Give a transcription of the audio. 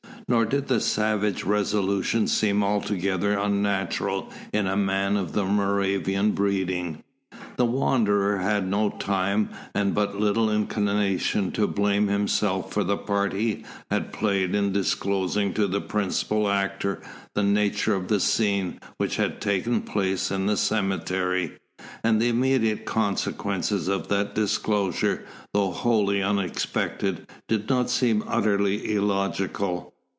Nor did the savage resolution seem altogether unnatural in a man of the Moravian's breeding. The Wanderer had no time and but little inclination to blame himself for the part he had played in disclosing to the principal actor the nature of the scene which had taken place in the cemetery, and the immediate consequences of that disclosure, though wholly unexpected, did not seem utterly illogical.